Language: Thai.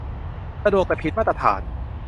สะดวกแต่ผิดมาตรฐาน